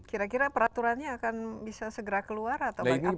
kira kira peraturannya akan bisa segera keluar atau apa yang harus disaksikan